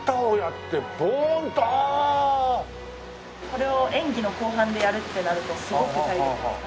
これを演技の後半でやるってなるとすごく体力を使います。